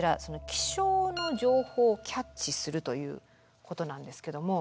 気象の情報をキャッチするということなんですけども。